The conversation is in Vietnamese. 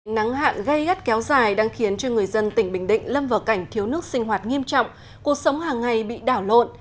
nắng hạn gây gắt kéo dài đang khiến cho người dân tỉnh bình định lâm vào cảnh thiếu nước sinh hoạt nghiêm trọng cuộc sống hàng ngày bị đảo lộn